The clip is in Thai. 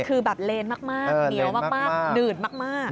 คือแบบเลนมากเหนียวมากหนืดมาก